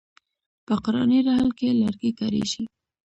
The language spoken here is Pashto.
په قرآني رحل کې لرګی کاریږي.